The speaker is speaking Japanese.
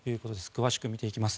詳しく見ていきます。